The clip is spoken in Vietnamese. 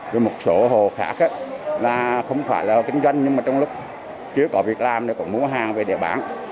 rồi một số hồ khác là không phải là hồ kinh doanh nhưng mà trong lúc chưa có việc làm người ta còn mua hàng về để bán